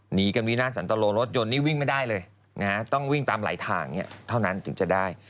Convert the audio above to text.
หนีกันวินาทสันตโลรถยนต์นี่วิ่งไม่ได้เลยต้องวิ่งตามหลายทางเท่านั้นถึงจะได้